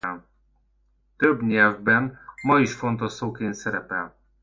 Több nyelvben ma is fontos szóként szerepel.